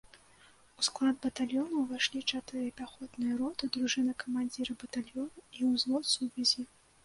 У склад батальёна ўвайшлі чатыры пяхотныя роты, дружына камандзіра батальёна і ўзвод сувязі.